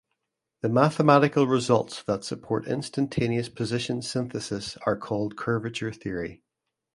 The mathematical results that support instantaneous position synthesis are called curvature theory.